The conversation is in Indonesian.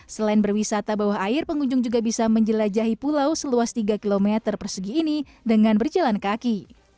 selain berwisata bawah air pengunjung juga bisa menjelajahi pulau seluas tiga km persegi ini dengan berjalan kaki